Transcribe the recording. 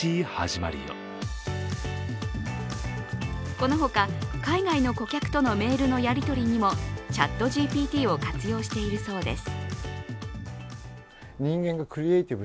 この他、海外の顧客とのメールのやりとりにもＣｈａｔＧＰＴを活用しているそうです。